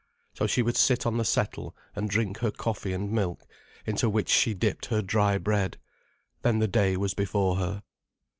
So she would sit on the settle and drink her coffee and milk, into which she dipped her dry bread. Then the day was before her.